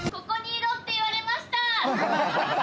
ここにいろって言われました。